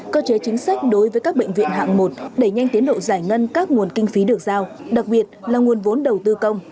cơ chế chính sách đối với các bệnh viện hạng một đẩy nhanh tiến độ giải ngân các nguồn kinh phí được giao đặc biệt là nguồn vốn đầu tư công